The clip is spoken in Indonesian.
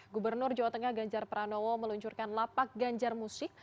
gubernur jawa tengah ganjar pranowo meluncurkan lapak ganjar musik